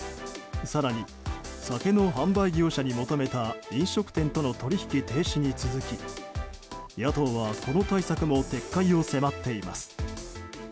更に、酒の販売業者に求めた飲食店との取引停止に続き野党はこの対策も撤回を迫っています。